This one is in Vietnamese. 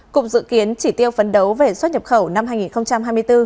cục dự kiến chỉ tiêu phấn đấu về xuất nhập khẩu năm hai nghìn hai mươi bốn